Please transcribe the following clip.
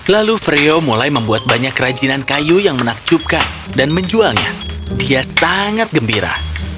lalu freo mulai membuat banyak kerajinan kayu yang menakjubkan dan menjualnya dia sangat gembira